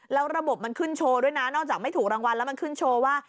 แล้วระบบมันขึ้นโชว์ด้วยนะนอกจากไม่ถูกรางวัลแล้วมันขึ้นโชว์ว่า